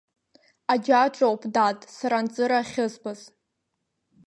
Аџьа аҿоуп, дад, сара анҵыра ахьызбаз!